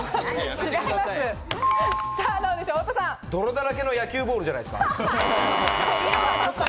泥だらけの野球ボールじゃないですか？